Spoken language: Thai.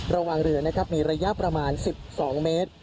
ระหว่างเรือนะครับมีระยะประมาณ๑๒เมตร